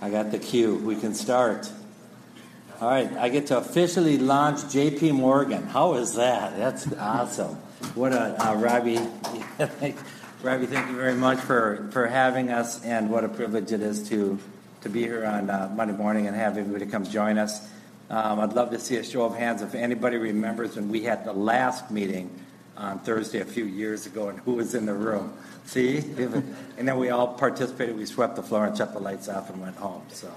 I got the cue. We can start. All right, I get to officially launch J.P. Morgan. How is that? That's awesome. What a, Robbie, Robbie, thank you very much for having us, and what a privilege it is to be here on Monday morning and have everybody come join us. I'd love to see a show of hands if anybody remembers when we had the last meeting on Thursday, a few years ago, and who was in the room? See? And then we all participated. We swept the floor and shut the lights off and went home, so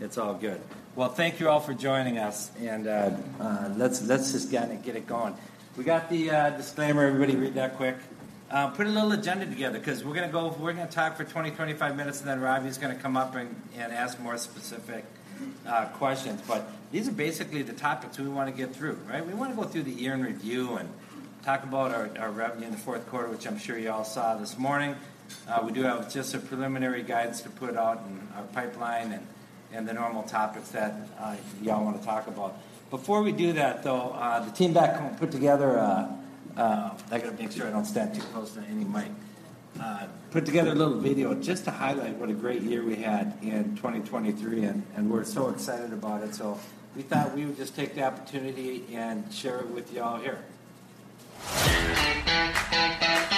it's all good. Well, thank you all for joining us, and let's just get it going. We got the disclaimer. Everybody read that quick. Put a little agenda together, 'cause we're gonna talk for 20-25 minutes, and then Robbie's gonna come up and ask more specific questions. But these are basically the topics we wanna get through, right? We wanna go through the year in review and talk about our revenue in the fourth quarter, which I'm sure you all saw this morning. We do have just a preliminary guidance to put out in our pipeline and the normal topics that y'all wanna talk about. Before we do that, though, the team back home put together a... I gotta make sure I don't stand too close to any mic. Put together a little video just to highlight what a great year we had in 2023, and we're so excited about it. So we thought we would just take the opportunity and share it with y'all here. Look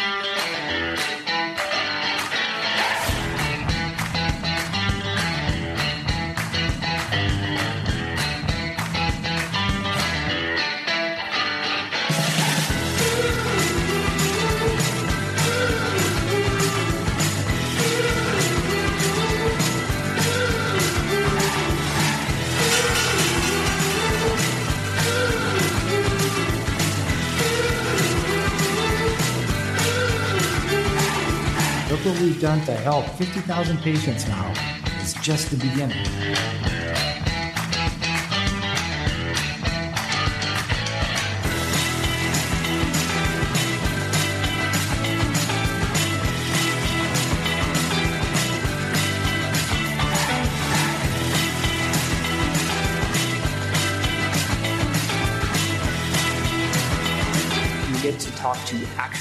what we've done to help 50,000 patients now. It's just the beginning.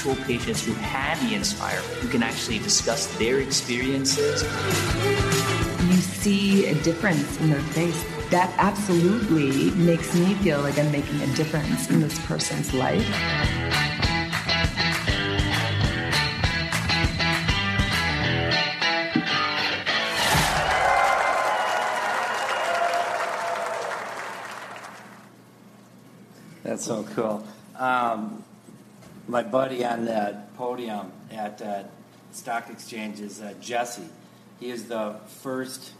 You get to talk to actual patients who had the Inspire, who can actually discuss their experiences. You see a difference in their face. That absolutely makes me feel like I'm making a difference in this person's life. That's so cool. My buddy on that podium at that stock exchange is Jesse. He is the first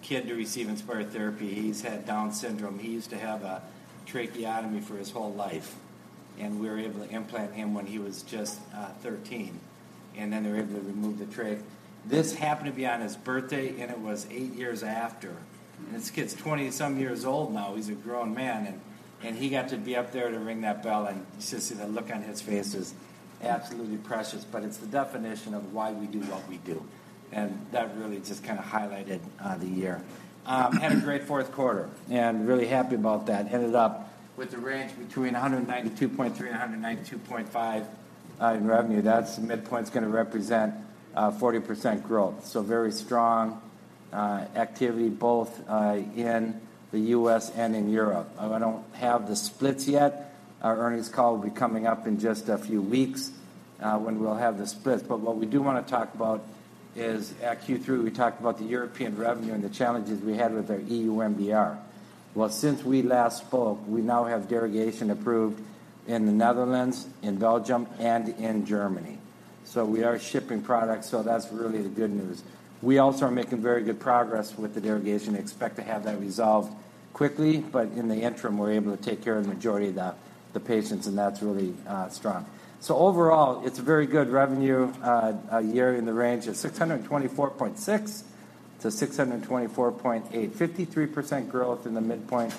kid to receive Inspire therapy. He's had Down syndrome. He used to have a tracheotomy for his whole life, and we were able to implant him when he was just 13, and then they were able to remove the trach. This happened to be on his birthday, and it was eight years after. This kid's 20-some years old now. He's a grown man, and he got to be up there to ring that bell, and just to see the look on his face is absolutely precious. But it's the definition of why we do what we do, and that really just kind of highlighted the year. Had a great fourth quarter and really happy about that. Ended up with a range between $192.3 and $192.5 in revenue. That's the midpoint's gonna represent 40% growth, so very strong activity both in the U.S. and in Europe. I don't have the splits yet. Our earnings call will be coming up in just a few weeks when we'll have the splits. But what we do wanna talk about is, at Q3, we talked about the European revenue and the challenges we had with our EU MDR. Well, since we last spoke, we now have derogation approved in the Netherlands, in Belgium, and in Germany, so we are shipping products, so that's really the good news. We also are making very good progress with the derogation. Expect to have that resolved quickly, but in the interim, we're able to take care of the majority of the, the patients, and that's really strong. So overall, it's a very good revenue year in the range of $624.6 million-$624.8 million. 53% growth in the midpoint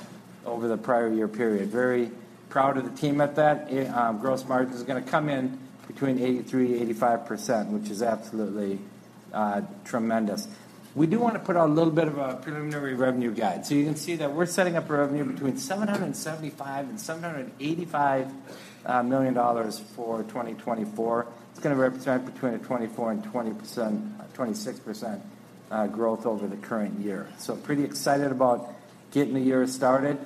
over the prior year period. Very proud of the team at that. A, gross margin is gonna come in between 83%-85%, which is absolutely tremendous. We do wanna put out a little bit of a preliminary revenue guide. So you can see that we're setting up a revenue between $775 million and $785 million for 2024. It's gonna represent between a 24 and 20 percent, 26 percent growth over the current year. So pretty excited about getting the year started.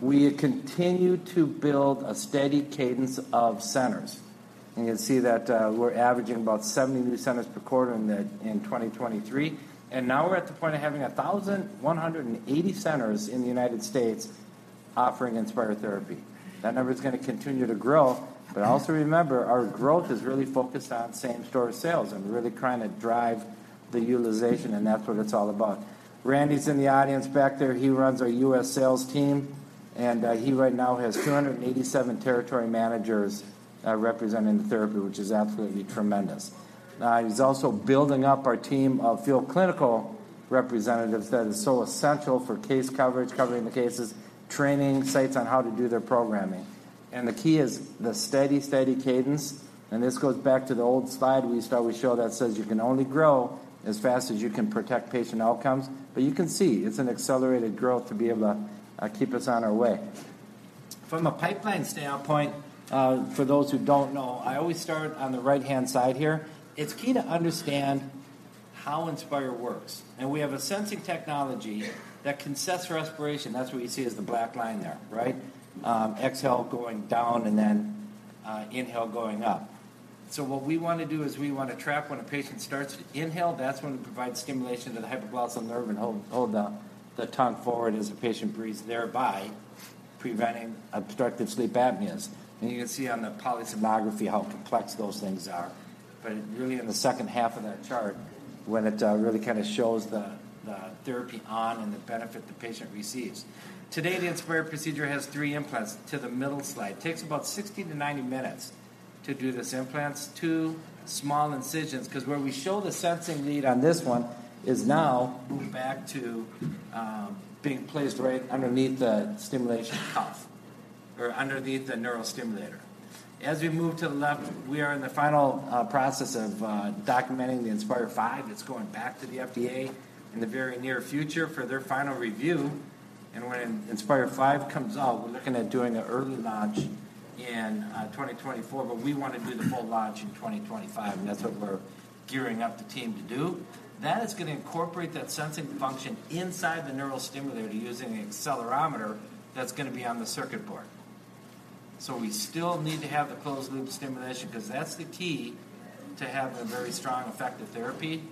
We continue to build a steady cadence of centers, and you'll see that, we're averaging about 70 new centers per quarter in the, in 2023. And now we're at the point of having 1,180 centers in the United States offering Inspire therapy. That number is gonna continue to grow, but also remember, our growth is really focused on same-store sales and really trying to drive the utilization, and that's what it's all about. Randy's in the audience back there. He runs our U.S. sales team, and, he right now has 287 territory managers, representing the therapy, which is absolutely tremendous. He's also building up our team of field clinical representatives that is so essential for case coverage, covering the cases, training sites on how to do their programming. The key is the steady, steady cadence, and this goes back to the old slide we start, we show that says, "You can only grow as fast as you can protect patient outcomes." But you can see it's an accelerated growth to be able to keep us on our way. From a pipeline standpoint, for those who don't know, I always start on the right-hand side here. It's key to understand how Inspire works, and we have a sensing technology that can sense respiration. That's what you see as the black line there, right? Exhale going down and then inhale going up. So what we wanna do is we wanna track when a patient starts to inhale. That's when we provide stimulation to the hypoglossal nerve and hold the tongue forward as the patient breathes, thereby preventing obstructive sleep apneas. You can see on the polysomnography how complex those things are. But really in the second half of that chart, when it really kind of shows the therapy on and the benefit the patient receives. Today, the Inspire procedure has three implants to the middle slide. Takes about 60-90 minutes to do this implants, two small incisions. 'Cause where we show the sensing lead on this one is now moved back to being placed right underneath the stimulation cuff or underneath the neurostimulator. As we move to the left, we are in the final process of documenting the Inspire 5. It's going back to the FDA in the very near future for their final review, and when Inspire 5 comes out, we're looking at doing an early launch in 2024, but we wanna do the full launch in 2025, and that's what we're gearing up the team to do. That is gonna incorporate that sensing function inside the neurostimulator using an accelerometer that's gonna be on the circuit board. So we still need to have the closed loop stimulation, 'cause that's the key to having a very strong, effective therapy,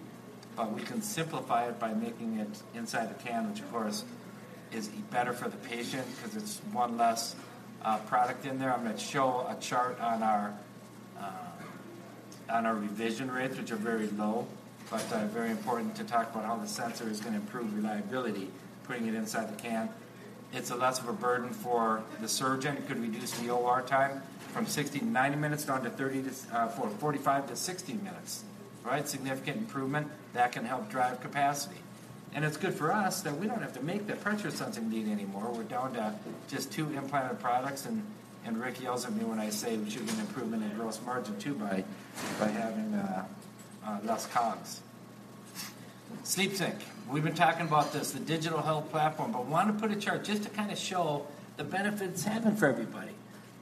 but we can simplify it by making it inside the can, which of course, is better for the patient 'cause it's one less product in there. I'm gonna show a chart on our on our revision rates, which are very low, but very important to talk about how the sensor is gonna improve reliability, putting it inside the can. It's less of a burden for the surgeon. It could reduce the OR time from 60-90 minutes down to 30 to 45 to 60 minutes. Right? Significant improvement. That can help drive capacity. And it's good for us that we don't have to make the pressure sensing lead anymore. We're down to just two implanted products, and Rick yells at me when I say that you get improvement in gross margin too, by having less COGS. SleepSync, we've been talking about this, the digital health platform, but wanna put a chart just to kind of show the benefits happening for everybody,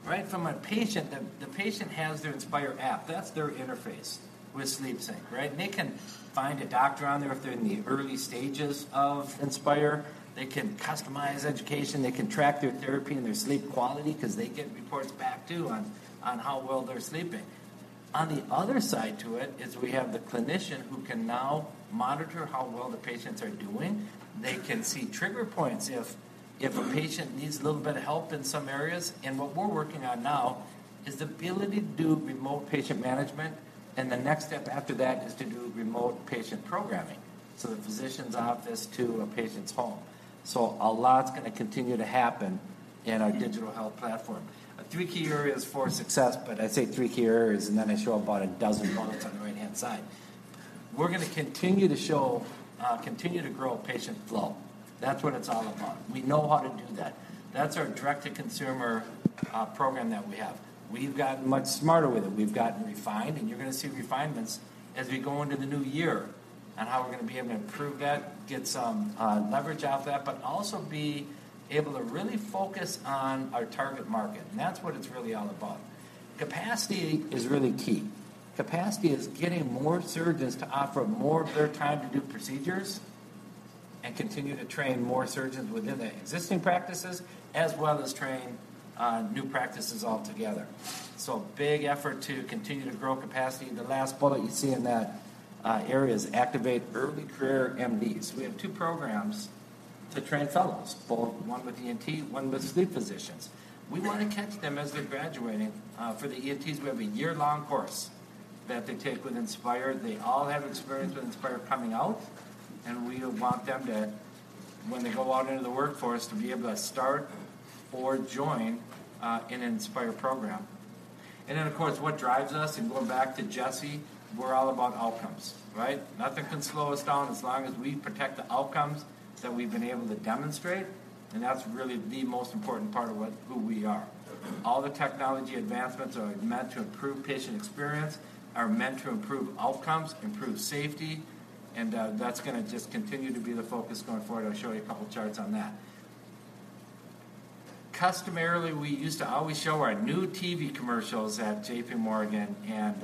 right? From a patient, the patient has their Inspire app. That's their interface with SleepSync, right? And they can find a doctor on there if they're in the early stages of Inspire. They can customize education. They can track their therapy and their sleep quality, 'cause they get reports back, too, on, on how well they're sleeping. On the other side to it is we have the clinician, who can now monitor how well the patients are doing. They can see trigger points if, if a patient needs a little bit of help in some areas. And what we're working on now is the ability to do remote patient management, and the next step after that is to do remote patient programming, so the physician's office to a patient's home. So a lot's gonna continue to happen in our digital health platform. Three key areas for success, but I say three key areas, and then I show about a dozen bullets on the right-hand side. We're gonna continue to show, continue to grow patient flow. That's what it's all about. We know how to do that. That's our direct-to-consumer, program that we have. We've gotten much smarter with it. We've gotten refined, and you're gonna see refinements as we go into the new year on how we're gonna be able to improve that, get some, leverage off that, but also be able to really focus on our target market, and that's what it's really all about. Capacity is really key. Capacity is getting more surgeons to offer more of their time to do procedures and continue to train more surgeons within the existing practices, as well as train, new practices altogether. So big effort to continue to grow capacity. The last bullet you see in that area is activate early career MDs. We have two programs to train fellows, both one with ENT, one with sleep physicians. We wanna catch them as they're graduating. For the ENTs, we have a year-long course that they take with Inspire. They all have experience with Inspire coming out, and we want them to, when they go out into the workforce, to be able to start or join an Inspire program. And then, of course, what drives us, and going back to Jesse, we're all about outcomes, right? Nothing can slow us down as long as we protect the outcomes that we've been able to demonstrate, and that's really the most important part of what... who we are. All the technology advancements are meant to improve patient experience, are meant to improve outcomes, improve safety, and that's gonna just continue to be the focus going forward. I'll show you a couple charts on that. Customarily, we used to always show our new TV commercials at J.P. Morgan, and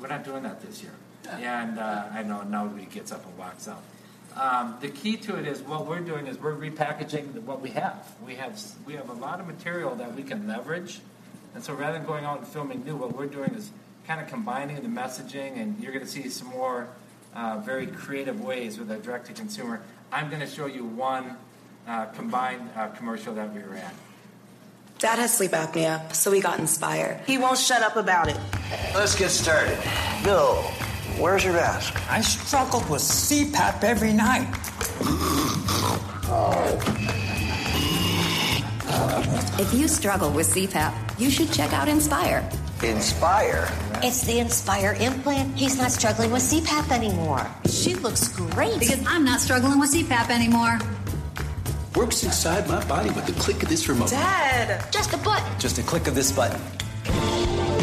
we're not doing that this year. I know nobody gets up and walks out. The key to it is, what we're doing is we're repackaging what we have. We have a lot of material that we can leverage, and so rather than going out and filming new, what we're doing is kind of combining the messaging, and you're gonna see some more very creative ways with the direct to consumer. I'm gonna show you one combined commercial that we ran. Dad has sleep apnea, so he got Inspire. He won't shut up about it. Let's get started. Bill, where's your mask? I struggled with CPAP every night. If you struggle with CPAP, you should check out Inspire. Inspire? It's the Inspire implant. He's not struggling with CPAP anymore. She looks great. Because I'm not struggling with CPAP anymore. Works inside my body with the click of this remote. Dad! Just a button. Just a click of this button....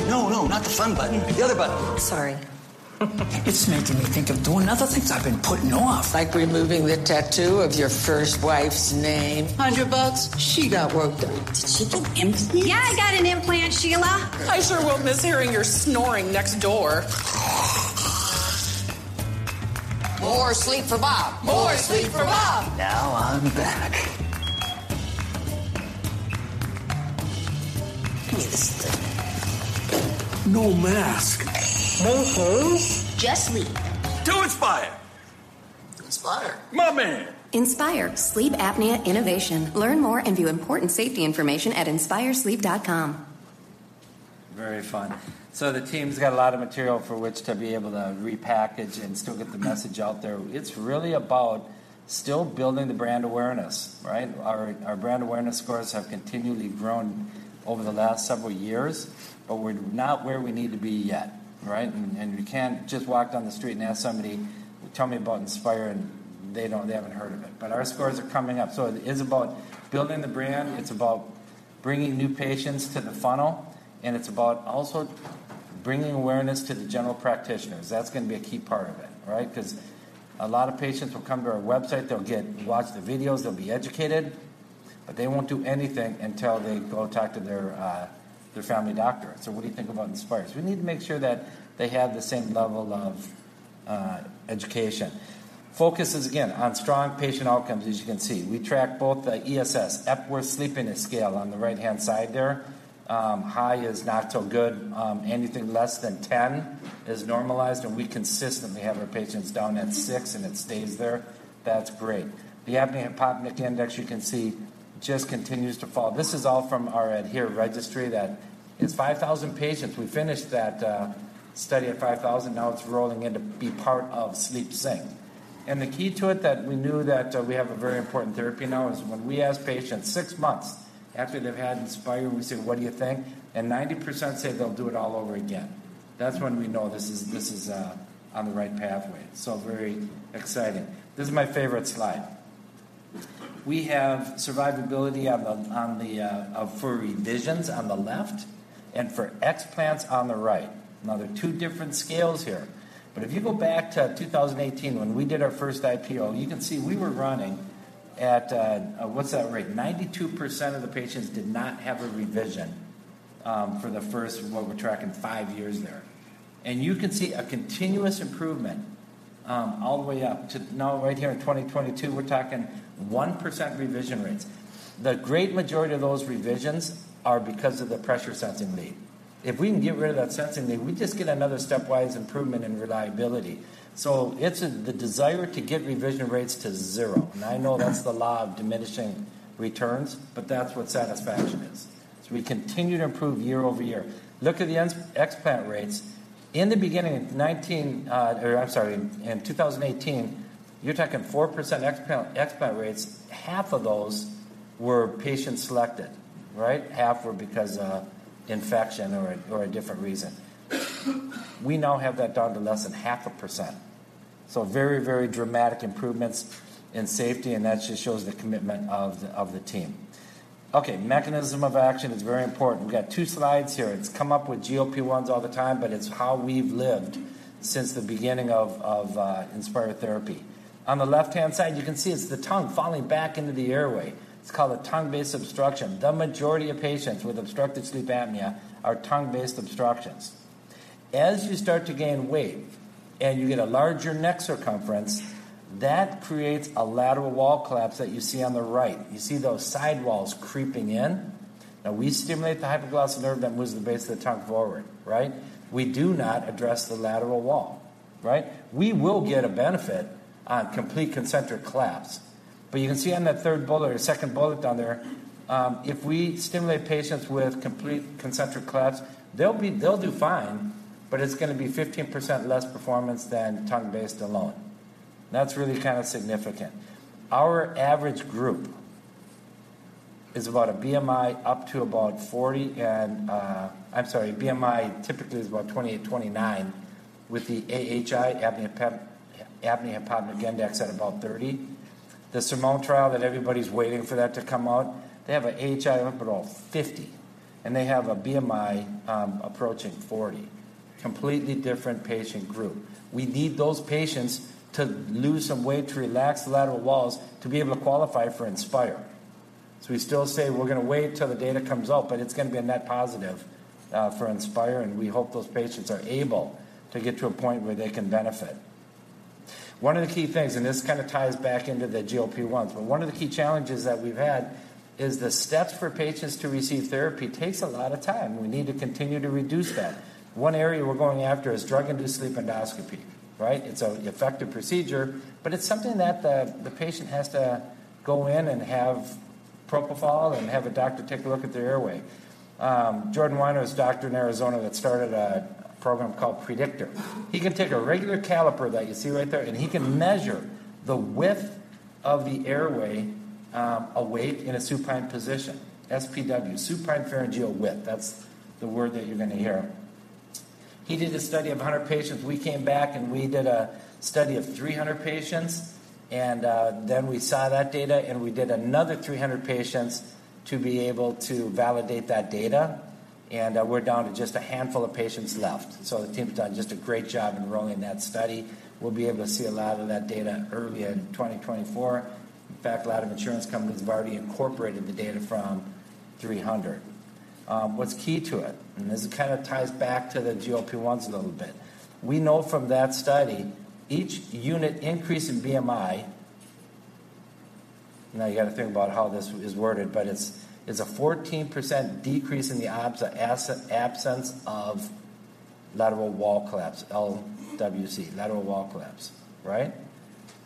No, no, not the fun button, the other button. Sorry. It's making me think of doing other things I've been putting off. Like removing the tattoo of your first wife's name? $100, she got work done. Did she get implants? Yeah, I got an implant, Sheila. I sure won't miss hearing your snoring next door. More sleep for Bob. More sleep for Bob! Now I'm back. Give me this thing. No mask. No hose? Just me. To Inspire. Inspire. My man! Inspire, sleep apnea innovation. Learn more and view important safety information at inspiresleep.com. Very fun. So the team's got a lot of material for which to be able to repackage and still get the message out there. It's really about still building the brand awareness, right? Our brand awareness scores have continually grown over the last several years, but we're not where we need to be yet, right? And you can't just walk down the street and ask somebody, "Tell me about Inspire," and they don't, they haven't heard of it. But our scores are coming up, so it is about building the brand, it's about bringing new patients to the funnel, and it's about also bringing awareness to the general practitioners. That's gonna be a key part of it, right? 'Cause a lot of patients will come to our website, they'll get... Watch the videos, they'll be educated, but they won't do anything until they go talk to their family doctor. "So what do you think about Inspire?" So we need to make sure that they have the same level of education. Focus is, again, on strong patient outcomes, as you can see. We track both the ESS, Epworth Sleepiness Scale, on the right-hand side there. High is not so good. Anything less than 10 is normalized, and we consistently have our patients down at 6, and it stays there. That's great. The Apnea-Hypopnea Index, you can see, just continues to fall. This is all from our ADHERE Registry that is 5,000 patients. We finished that study at 5,000. Now it's rolling in to be part of SleepSync. And the key to it that we knew that, we have a very important therapy now is, when we ask patients six months after they've had Inspire, and we say, "What do you think?" And 90% say they'll do it all over again. That's when we know this is, this is, on the right pathway. So very exciting. This is my favorite slide. We have survivability on the, on the, for revisions on the left and for explants on the right. Now, they're two different scales here, but if you go back to 2018, when we did our first IPO, you can see we were running at, What's that rate? 92% of the patients did not have a revision, for the first, what we're tracking, five years there. You can see a continuous improvement all the way up to now, right here in 2022, we're talking 1% revision rates. The great majority of those revisions are because of the pressure sensing lead. If we can get rid of that sensing lead, we just get another stepwise improvement in reliability. So it's the desire to get revision rates to zero, and I know that's the law of diminishing returns, but that's what satisfaction is. So we continue to improve year over year. Look at the explant rates. In the beginning of 2019, or I'm sorry, in 2018, you're talking 4% explant rates. Half of those were patient-selected, right? Half were because of infection or a different reason. We now have that down to less than 0.5%. So very, very dramatic improvements in safety, and that just shows the commitment of the, of the team. Okay, mechanism of action is very important. We've got two slides here. It's come up with GLP-1s all the time, but it's how we've lived since the beginning of, of, Inspire therapy. On the left-hand side, you can see it's the tongue falling back into the airway. It's called a tongue-based obstruction. The majority of patients with obstructive sleep apnea are tongue-based obstructions. As you start to gain weight and you get a larger neck circumference, that creates a lateral wall collapse that you see on the right. You see those side walls creeping in? Now, we stimulate the hypoglossal nerve that moves the base of the tongue forward, right? We do not address the lateral wall, right? We will get a benefit on complete concentric collapse. You can see on that third bullet or second bullet down there, if we stimulate patients with complete concentric collapse, they'll do fine, but it's gonna be 15% less performance than tongue-based alone. That's really kind of significant. Our average group is about a BMI up to about 40, and, I'm sorry, BMI typically is about 28, 29, with the AHI, apnea-hypopnea index at about 30. The SURMOUNT trial that everybody's waiting for that to come out, they have an AHI of up at all 50, and they have a BMI, approaching 40. Completely different patient group. We need those patients to lose some weight, to relax the lateral walls, to be able to qualify for Inspire. So we still say we're gonna wait till the data comes out, but it's gonna be a net positive for Inspire, and we hope those patients are able to get to a point where they can benefit. One of the key things, and this kind of ties back into the GLP-1, but one of the key challenges that we've had is the steps for patients to receive therapy takes a lot of time. We need to continue to reduce that. One area we're going after is drug-induced sleep endoscopy, right? It's an effective procedure, but it's something that the patient has to go in and have propofol and have a doctor take a look at their airway. Jordan Weiner is a doctor in Arizona that started a program called Predictor. He can take a regular caliper that you see right there, and he can measure the width of the airway, awake in a supine position. SPW, supine pharyngeal width. That's the word that you're gonna hear.... He did a study of 100 patients. We came back, and we did a study of 300 patients, and then we saw that data, and we did another 300 patients to be able to validate that data. And we're down to just a handful of patients left. So the team's done just a great job enrolling that study. We'll be able to see a lot of that data early in 2024. In fact, a lot of insurance companies have already incorporated the data from 300. What's key to it? And this kind of ties back to the GLP-1s a little bit. We know from that study, each unit increase in BMI... Now, you gotta think about how this is worded, but it's a 14% decrease in the absence of lateral wall collapse, LWC, lateral wall collapse, right?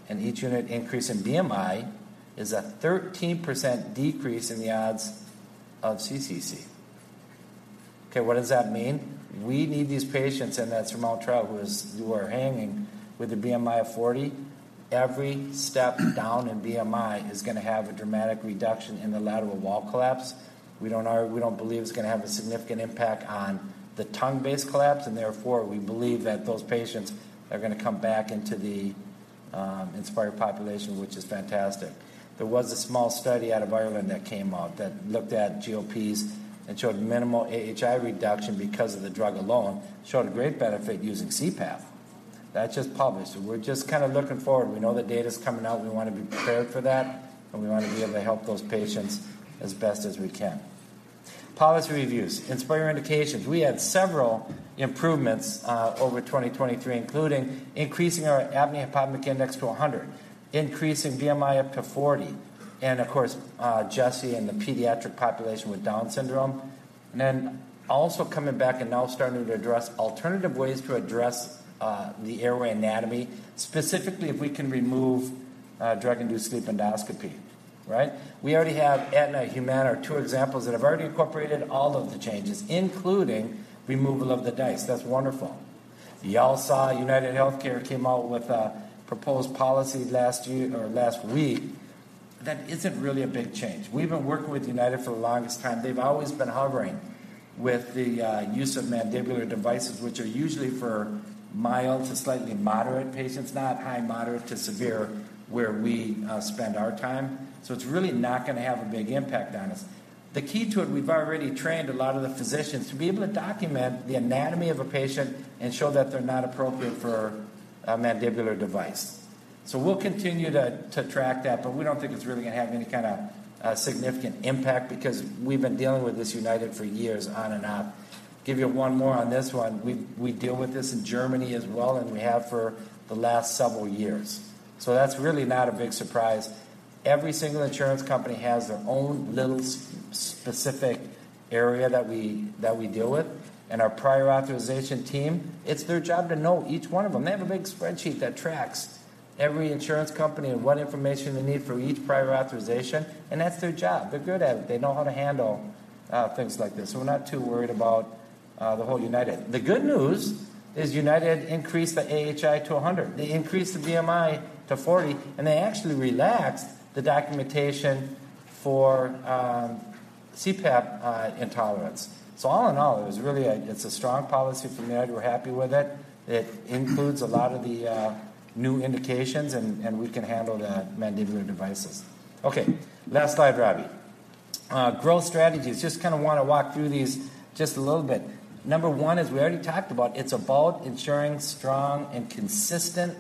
And each unit increase in BMI is a 13% decrease in the odds of CCC. Okay, what does that mean? We need these patients, and that's from our trial, who are hanging with a BMI of 40. Every step down in BMI is gonna have a dramatic reduction in the lateral wall collapse. We don't, we don't believe it's gonna have a significant impact on the tongue-based collapse, and therefore, we believe that those patients are gonna come back into the, Inspire population, which is fantastic. There was a small study out of Ireland that came out that looked at GLP-1s and showed minimal AHI reduction because of the drug alone, showed a great benefit using CPAP. That just published. We're just kind of looking forward. We know the data's coming out. We wanna be prepared for that, and we wanna be able to help those patients as best as we can. Policy reviews. Inspire indications. We had several improvements over 2023, including increasing our apnea-hypopnea index to 100, increasing BMI up to 40, and of course, Jesse and the pediatric population with Down syndrome. And then also coming back and now starting to address alternative ways to address the airway anatomy, specifically if we can remove drug-induced sleep endoscopy, right? We already have Aetna and Humana, are two examples that have already incorporated all of the changes, including removal of the DISE. That's wonderful. You all saw UnitedHealthcare came out with a proposed policy last year or last week. That isn't really a big change. We've been working with United for the longest time. They've always been hovering with the use of mandibular devices, which are usually for mild to slightly moderate patients, not high, moderate to severe, where we spend our time. So it's really not gonna have a big impact on us. The key to it, we've already trained a lot of the physicians to be able to document the anatomy of a patient and show that they're not appropriate for a mandibular device. So we'll continue to track that, but we don't think it's really gonna have any kind of significant impact because we've been dealing with this, United, for years, on and off. Give you one more on this one. We deal with this in Germany as well, and we have for the last several years. So that's really not a big surprise. Every single insurance company has their own little specific area that we deal with. And our prior authorization team, it's their job to know each one of them. They have a big spreadsheet that tracks every insurance company and what information they need for each prior authorization, and that's their job. They're good at it. They know how to handle things like this, so we're not too worried about the whole United. The good news is United increased the AHI to 100. They increased the BMI to 40, and they actually relaxed the documentation for CPAP intolerance. So all in all, it was really. It's a strong policy from United. We're happy with it. It includes a lot of the new indications, and, and we can handle the mandibular devices. Okay, last slide, Robbie. Growth strategies. Just kind of wanna walk through these just a little bit. Number one, as we already talked about, it's about ensuring strong and consistent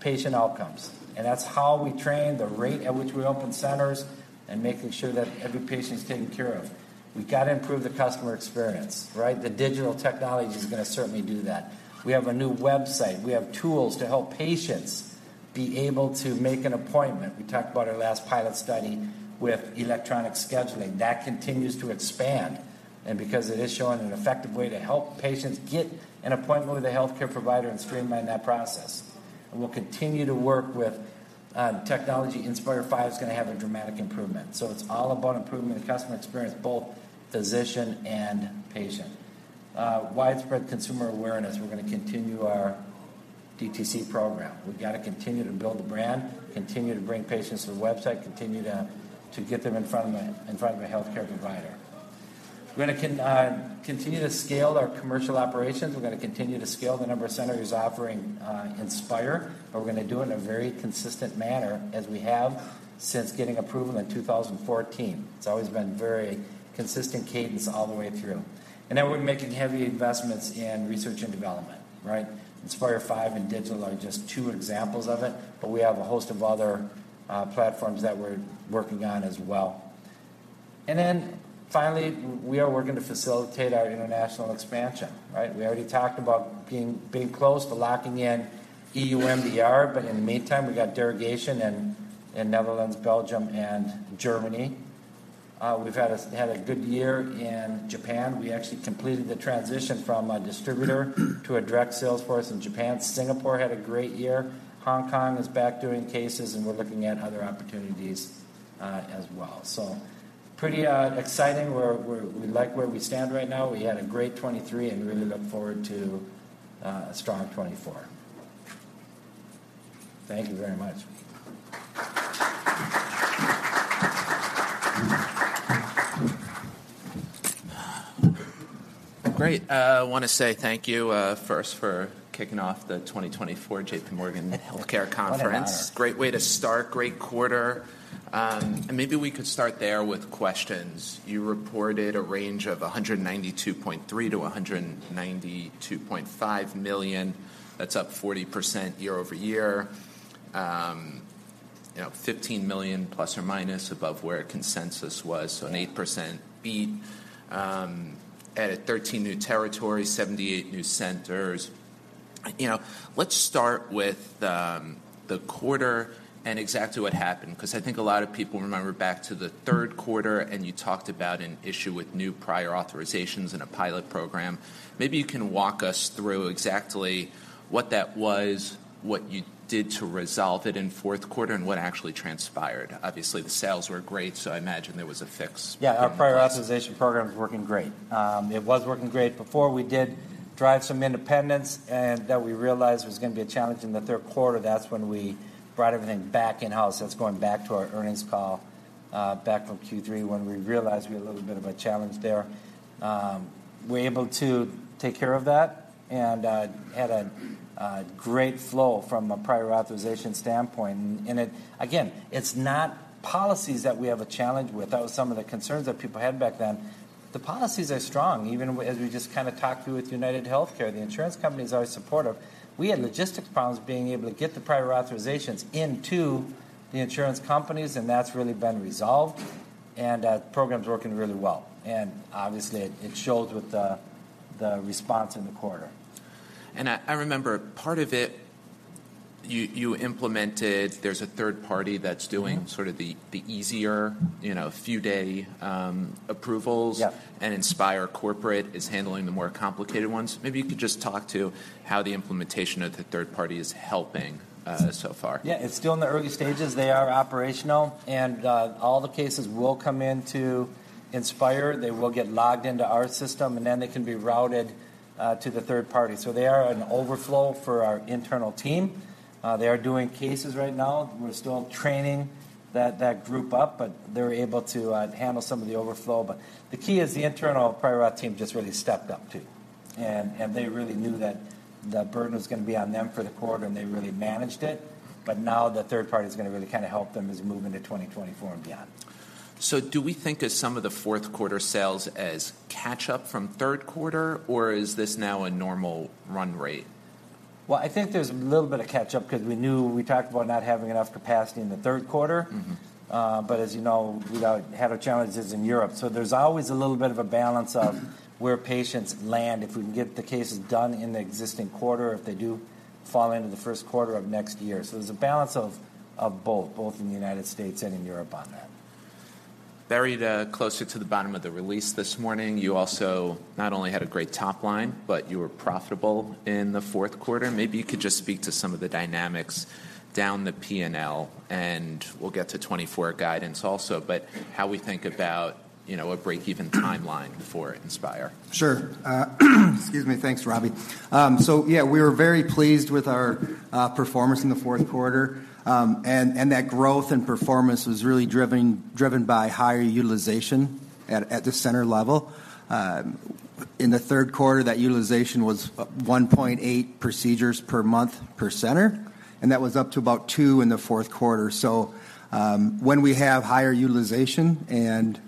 patient outcomes, and that's how we train, the rate at which we open centers, and making sure that every patient is taken care of. We've got to improve the customer experience, right? The digital technology is gonna certainly do that. We have a new website. We have tools to help patients be able to make an appointment. We talked about our last pilot study with electronic scheduling. That continues to expand, and because it is showing an effective way to help patients get an appointment with a healthcare provider and streamline that process. We'll continue to work with technology. Inspire 5 is gonna have a dramatic improvement. So it's all about improving the customer experience, both physician and patient. Widespread consumer awareness. We're gonna continue our DTC program. We've got to continue to build the brand, continue to bring patients to the website, continue to get them in front of a healthcare provider. We're gonna continue to scale our commercial operations. We're gonna continue to scale the number of centers offering Inspire, but we're gonna do it in a very consistent manner, as we have since getting approval in 2014. It's always been very consistent cadence all the way through. And then we're making heavy investments in research and development, right? Inspire 5 and digital are just two examples of it, but we have a host of other platforms that we're working on as well. And then finally, we are working to facilitate our international expansion, right? We already talked about being close to locking in EU MDR, but in the meantime, we got derogation in Netherlands, Belgium, and Germany. We've had a good year in Japan. We actually completed the transition from a distributor to a direct sales force in Japan. Singapore had a great year. Hong Kong is back doing cases, and we're looking at other opportunities as well. So pretty exciting. We like where we stand right now. We had a great 2023, and we're really looking forward to a strong 2024. Thank you very much. ... Great. I wanna say thank you, first for kicking off the 2024 J.P. Morgan Healthcare Conference. What an honor! Great way to start, great quarter. And maybe we could start there with questions. You reported a range of $192.3 million-$192.5 million. That's up 40% year-over-year. You know, $15 million plus or minus above where consensus was, so an 8% beat. Added 13 new territories, 78 new centers. You know, let's start with the quarter and exactly what happened, 'cause I think a lot of people remember back to the third quarter, and you talked about an issue with new prior authorizations in a pilot program. Maybe you can walk us through exactly what that was, what you did to resolve it in fourth quarter, and what actually transpired. Obviously, the sales were great, so I imagine there was a fix. Yeah, our prior authorization program is working great. It was working great before. We did drive some independence, and that we realized was gonna be a challenge in the third quarter. That's when we brought everything back in-house. That's going back to our earnings call, back from Q3, when we realized we had a little bit of a challenge there. We're able to take care of that, and had a great flow from a prior authorization standpoint. And it. Again, it's not policies that we have a challenge with. That was some of the concerns that people had back then. The policies are strong, even as we just kinda talked through with UnitedHealthcare. The insurance companies are supportive. We had logistics problems being able to get the prior authorizations into the insurance companies, and that's really been resolved, and that program's working really well. Obviously, it shows with the response in the quarter. I remember part of it, you implemented. There's a third party that's doing- Mm-hmm. sort of the easier, you know, few-day approvals. Yeah. Inspire Corporate is handling the more complicated ones. Maybe you could just talk to how the implementation of the third party is helping, so far? Yeah, it's still in the early stages. They are operational, and all the cases will come in to Inspire. They will get logged into our system, and then they can be routed to the third party. So they are an overflow for our internal team. They are doing cases right now. We're still training that group up, but they're able to handle some of the overflow. But the key is the internal prior auth team just really stepped up, too, and they really knew that the burden was gonna be on them for the quarter, and they really managed it. But now the third party is gonna really kinda help them as we move into 2024 and beyond. Do we think of some of the fourth quarter sales as catch-up from third quarter, or is this now a normal run rate? Well, I think there's a little bit of catch-up 'cause we talked about not having enough capacity in the third quarter. Mm-hmm. But as you know, we had our challenges in Europe. So there's always a little bit of a balance of where patients land, if we can get the cases done in the existing quarter, or if they do fall into the first quarter of next year. So there's a balance of both, both in the United States and in Europe on that. Buried closer to the bottom of the release this morning, you also not only had a great top line, but you were profitable in the fourth quarter. Maybe you could just speak to some of the dynamics down the P&L, and we'll get to 2024 guidance also. But how we think about, you know, a break-even timeline for Inspire? Sure. Excuse me. Thanks, Robbie. So yeah, we were very pleased with our performance in the fourth quarter. And that growth and performance was really driven by higher utilization at the center level. In the third quarter, that utilization was 1.8 procedures per month per center, and that was up to about two in the fourth quarter. So, when we have higher utilization and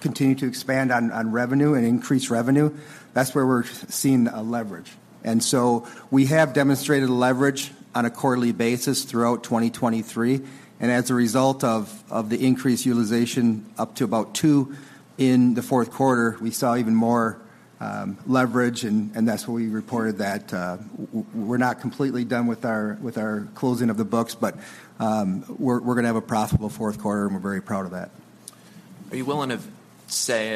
continue to expand on revenue and increase revenue, that's where we're seeing a leverage. And so we have demonstrated leverage on a quarterly basis throughout 2023, and as a result of the increased utilization, up to about two in the fourth quarter, we saw even more leverage. And that's what we reported that... We're not completely done with our closing of the books, but we're gonna have a profitable fourth quarter, and we're very proud of that. Are you willing to say,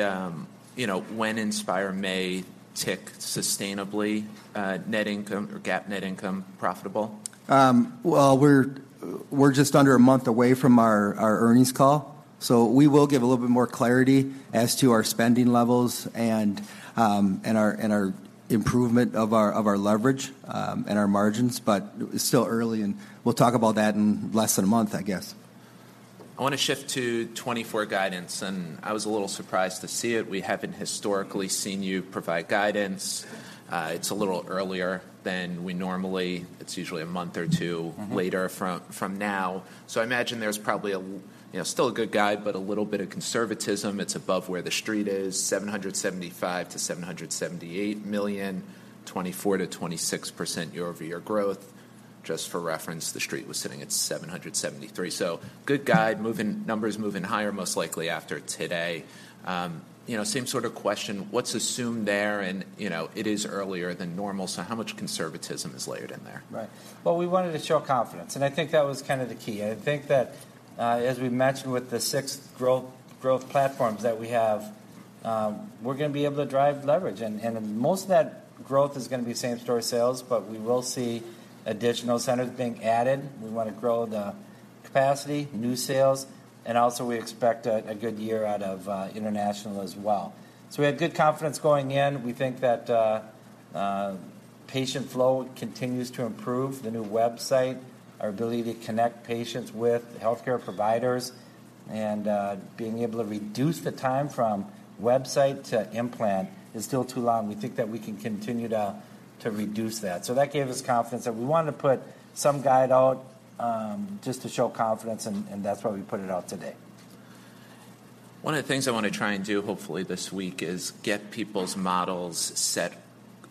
you know, when Inspire may tick sustainably, net income or GAAP net income profitable? Well, we're just under a month away from our earnings call, so we will give a little bit more clarity as to our spending levels and our improvement of our leverage and our margins. But it's still early, and we'll talk about that in less than a month, I guess. I wanna shift to 2024 guidance, and I was a little surprised to see it. We haven't historically seen you provide guidance. It's a little earlier than we normally. It's usually a month or two- Mm-hmm... later from now. So I imagine there's probably a—you know, still a good guide, but a little bit of conservatism. It's above where the street is, $775 million-$778 million, 24%-26% year-over-year growth. Just for reference, the street was sitting at $773 million. So good guide, moving, numbers moving higher, most likely after today. You know, same sort of question, what's assumed there? And, you know, it is earlier than normal, so how much conservatism is layered in there? Right. Well, we wanted to show confidence, and I think that was kind of the key. I think that, as we mentioned with the six growth platforms that we have, we're gonna be able to drive leverage. And most of that growth is gonna be same-store sales, but we will see additional centers being added. We wanna grow the capacity, new sales, and also, we expect a good year out of international as well. So we had good confidence going in. We think that patient flow continues to improve. The new website, our ability to connect patients with healthcare providers, and being able to reduce the time from website to implant is still too long. We think that we can continue to reduce that. So that gave us confidence, and we wanted to put some guide out, just to show confidence, and that's why we put it out today. One of the things I wanna try and do, hopefully this week, is get people's models set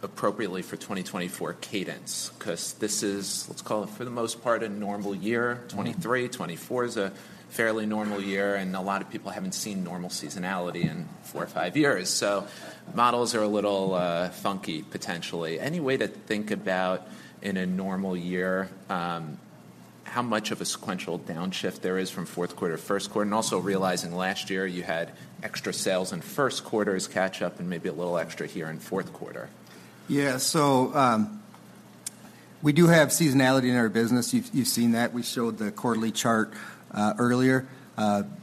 appropriately for 2024 cadence, 'cause this is, let's call it, for the most part, a normal year. Mm-hmm. 2023-2024 is a fairly normal year, and a lot of people haven't seen normal seasonality in four or five years. So models are a little funky, potentially. Any way to think about, in a normal year, how much of a sequential downshift there is from fourth quarter to first quarter? And also realizing last year you had extra sales in first quarter as catch-up and maybe a little extra here in fourth quarter. Yeah. So, we do have seasonality in our business. You've seen that. We showed the quarterly chart earlier.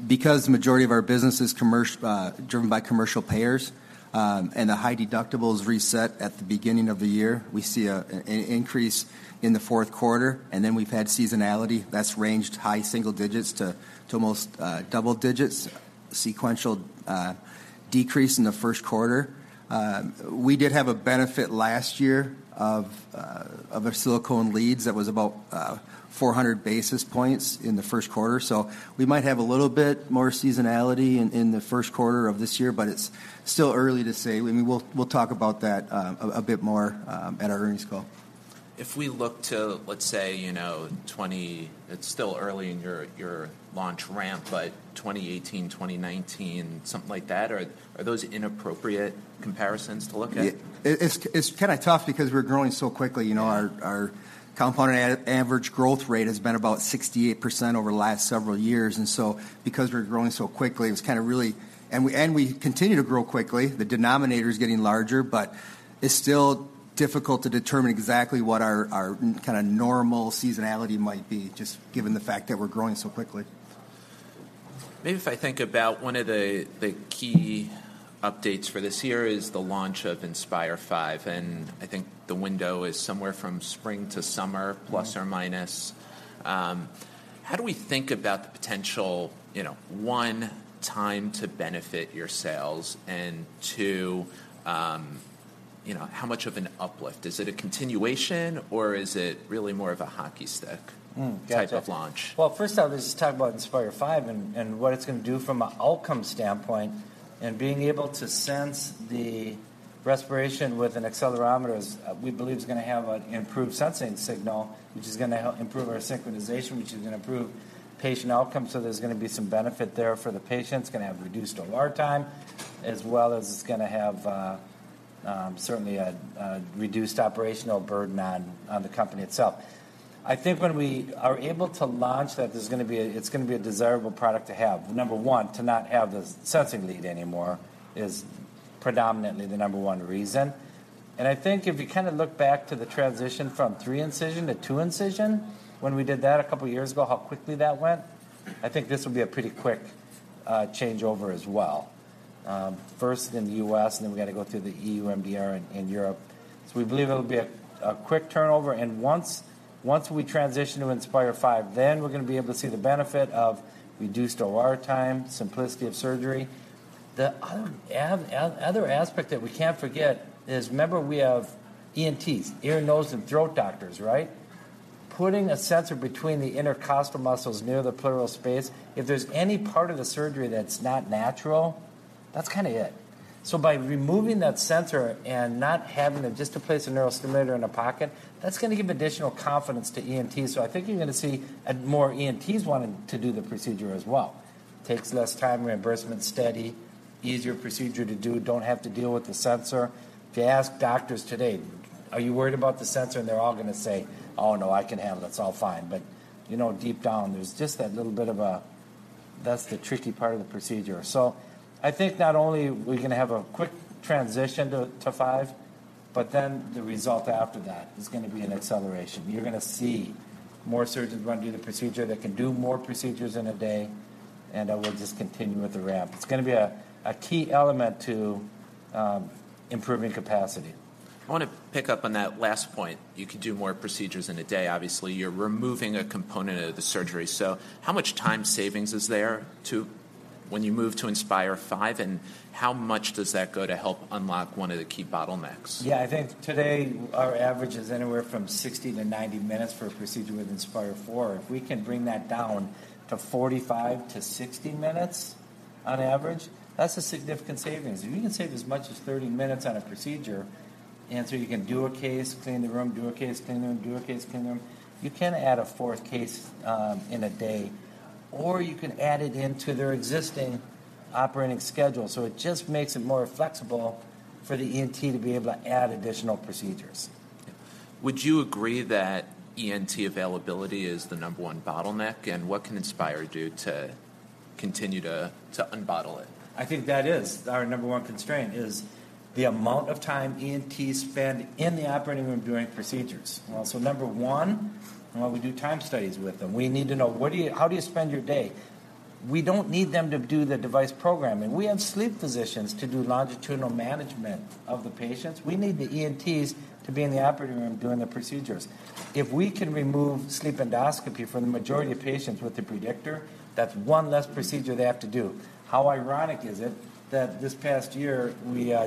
Because the majority of our business is commercial driven by commercial payers, and the high deductibles reset at the beginning of the year, we see an increase in the fourth quarter, and then we've had seasonality that's ranged high single digits to almost double digits, sequential decrease in the first quarter. We did have a benefit last year of our silicone leads. That was about 400 basis points in the first quarter. So we might have a little bit more seasonality in the first quarter of this year, but it's still early to say. We'll talk about that a bit more at our earnings call. If we look to, let's say, you know, it's still early in your launch ramp, but 2018, 2019, something like that, are those inappropriate comparisons to look at? It's kinda tough because we're growing so quickly. Yeah. You know, our compound average growth rate has been about 68% over the last several years, and so because we're growing so quickly, it's kinda. And we continue to grow quickly. The denominator is getting larger, but it's still difficult to determine exactly what our kinda normal seasonality might be, just given the fact that we're growing so quickly. Maybe if I think about one of the key updates for this year is the launch of Inspire 5, and I think the window is somewhere from spring to summer- Mm... +or -. How do we think about the potential, you know, one, time to benefit your sales, and two, you know, how much of an uplift? Is it a continuation, or is it really more of a hockey stick- Hmm, gotcha... type of launch? Well, first off, let's just talk about Inspire 5 and what it's gonna do from an outcome standpoint, and being able to sense the respiration with an accelerometer is, we believe, gonna have an improved sensing signal, which is gonna help improve our synchronization, which is gonna improve patient outcomes. So there's gonna be some benefit there for the patient. It's gonna have reduced OR time, as well as it's gonna have certainly a reduced operational burden on the company itself. I think when we are able to launch that, it's gonna be a desirable product to have. Number one, to not have the sensing lead anymore is predominantly the number one reason, and I think if you kinda look back to the transition from three-incision to two-incision, when we did that a couple of years ago, how quickly that went. I think this will be a pretty quick changeover as well. First in the U.S., and then we've got to go through the EU MDR in Europe. So we believe it'll be a quick turnover, and once we transition to Inspire 5, then we're gonna be able to see the benefit of reduced OR time, simplicity of surgery. The other aspect that we can't forget is, remember, we have ENTs, ear, nose, and throat doctors, right? Putting a sensor between the intercostal muscles near the pleural space, if there's any part of the surgery that's not natural, that's kinda it. So by removing that sensor and not having to place a neurostimulator in a pocket, that's gonna give additional confidence to ENTs. So I think you're gonna see more ENTs wanting to do the procedure as well. Takes less time, reimbursement's steady, easier procedure to do, don't have to deal with the sensor. If you ask doctors today, "Are you worried about the sensor?" And they're all gonna say, "Oh, no, I can handle it. It's all fine." But, you know, deep down, there's just that little bit of a... That's the tricky part of the procedure. So I think not only we're gonna have a quick transition to 5, but then the result after that is gonna be an acceleration. You're gonna see more surgeons wanna do the procedure. They can do more procedures in a day, and we'll just continue with the ramp. It's gonna be a key element to improving capacity. I want to pick up on that last point. You can do more procedures in a day. Obviously, you're removing a component of the surgery. So how much time savings is there to when you move to Inspire 5, and how much does that go to help unlock one of the key bottlenecks? Yeah, I think today our average is anywhere from 60-90 minutes for a procedure with Inspire 4. If we can bring that down to 45-60 minutes on average, that's a significant savings. If you can save as much as 30 minutes on a procedure, and so you can do a case, clean the room, do a case, clean the room, do a case, clean the room, you can add a fourth case in a day, or you can add it into their existing operating schedule. So it just makes it more flexible for the ENT to be able to add additional procedures. Would you agree that ENT availability is the number one bottleneck, and what can Inspire do to continue to unbottle it? I think that is our number one constraint, is the amount of time ENTs spend in the operating room doing procedures. Mm-hmm. So number one, well, we do time studies with them. We need to know, what do you—how do you spend your day? We don't need them to do the device programming. We have sleep physicians to do longitudinal management of the patients. We need the ENTs to be in the operating room doing the procedures. If we can remove sleep endoscopy from the majority of patients with the Predictor, that's one less procedure they have to do. How ironic is it that this past year,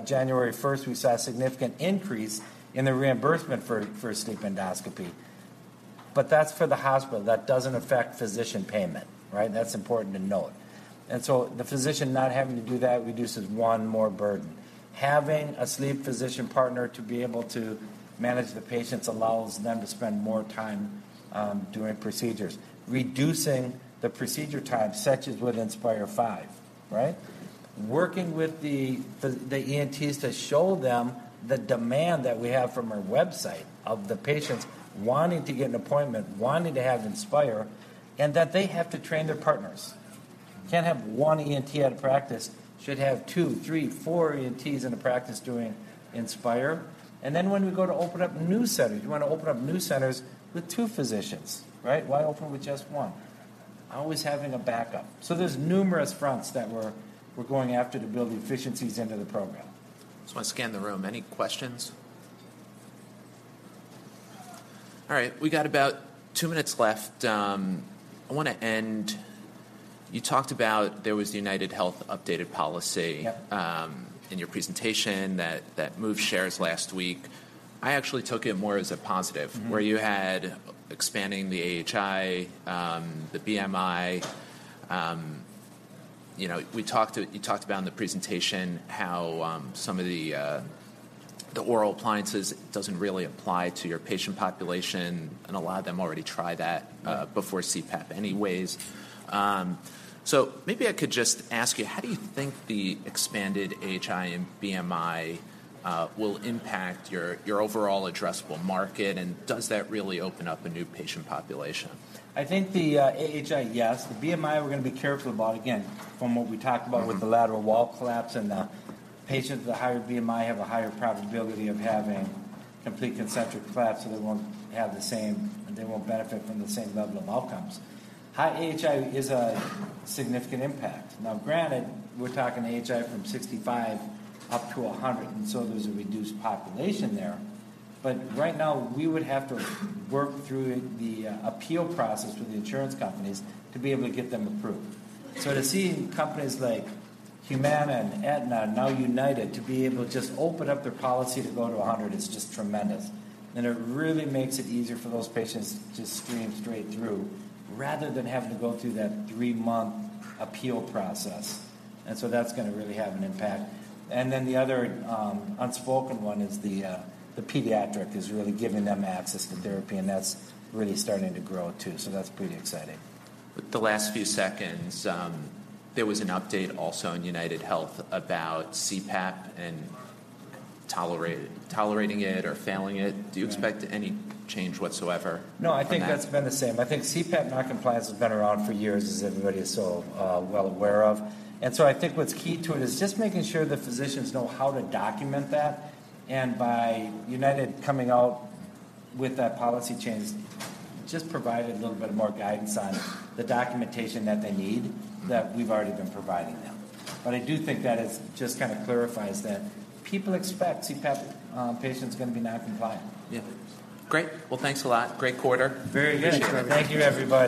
January first, we saw a significant increase in the reimbursement for sleep endoscopy? But that's for the hospital. That doesn't affect physician payment, right? That's important to note. And so the physician not having to do that reduces one more burden. Having a sleep physician partner to be able to manage the patients allows them to spend more time doing procedures, reducing the procedure time, such as with Inspire 5, right? Working with the ENTs to show them the demand that we have from our website of the patients wanting to get an appointment, wanting to have Inspire, and that they have to train their partners. Can't have one ENT at a practice. Should have two, three, four ENTs in a practice doing Inspire. And then when we go to open up new centers, you wanna open up new centers with two physicians, right? Why open with just one? Always having a backup. So there's numerous fronts that we're going after to build efficiencies into the program. Just wanna scan the room. Any questions? All right, we got about two minutes left. I wanna end... You talked about there was UnitedHealthcare updated policy- Yep. In your presentation, that moved shares last week. I actually took it more as a positive- Mm-hmm. -where you had expanding the AHI, the BMI. You know, we talked, you talked about in the presentation how some of the oral appliances doesn't really apply to your patient population, and a lot of them already try that, Mm before CPAP anyways. So maybe I could just ask you, how do you think the expanded AHI and BMI will impact your overall addressable market, and does that really open up a new patient population? I think the AHI, yes. The BMI, we're gonna be careful about. Again, from what we talked about- Mm With the lateral wall collapse, and the patients with a higher BMI have a higher probability of having complete concentric collapse, so they won't have the same... They won't benefit from the same level of outcomes. High AHI is a significant impact. Now, granted, we're talking AHI from 65 up to 100, and so there's a reduced population there. But right now, we would have to work through the appeal process with the insurance companies to be able to get them approved. So to see companies like Humana and Aetna, now United, to be able to just open up their policy to go to 100 is just tremendous, and it really makes it easier for those patients to stream straight through rather than having to go through that three-month appeal process. And so that's gonna really have an impact. And then the other unspoken one is the pediatric, is really giving them access to therapy, and that's really starting to grow, too, so that's pretty exciting. With the last few seconds, there was an update also on UnitedHealthcare about CPAP and tolerating it or failing it. Yeah. Do you expect any change whatsoever from that? No, I think that's been the same. I think CPAP non-compliance has been around for years, as everybody is so, well aware of. And so I think what's key to it is just making sure the physicians know how to document that, and by United coming out with that policy change, just provided a little bit more guidance on the documentation that they need, that we've already been providing them. But I do think that it's just kind of clarifies that. People expect CPAP patients are gonna be non-compliant. Yeah. Great. Well, thanks a lot. Great quarter. Very good. Appreciate it. Thank you, everybody.